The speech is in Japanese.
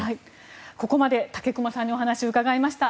ここまで武隈さんにお話を伺いました。